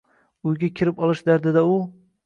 Uyga kirib olish dardida u